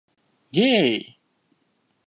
Гей!